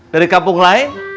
dari kampung lain